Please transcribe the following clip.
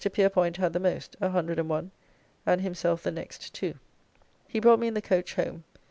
Pierpoint had the most, 101, and himself the next, too. He brought me in the coach home.